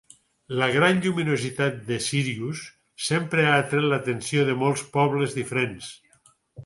La gran lluminositat de Sírius sempre ha atret l'atenció de molts pobles diferents.